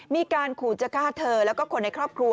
มีการขู่จะฆ่าเธอแล้วก็คนในครอบครัว